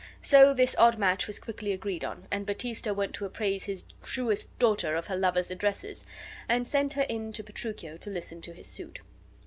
So this odd match was quickly agreed on and Baptista went to apprise his shrewish daughter of her lover's addresses, and sent her in to Petruchio to listen to his suit.